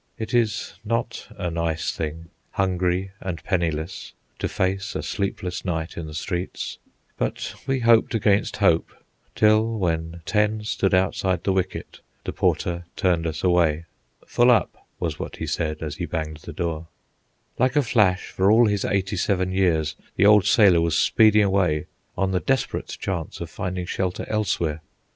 It is not a nice thing, hungry and penniless, to face a sleepless night in the streets. But we hoped against hope, till, when ten stood outside the wicket, the porter turned us away. "Full up," was what he said, as he banged the door. Like a flash, for all his eighty seven years, the old sailor was speeding away on the desperate chance of finding shelter elsewhere.